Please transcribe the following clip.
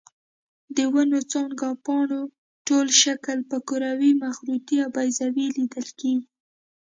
د ونو څانګو او پاڼو ټول شکل په کروي، مخروطي او بیضوي لیدل کېږي.